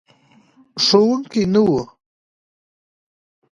ښوونکی نه و.